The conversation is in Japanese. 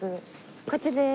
こっちです。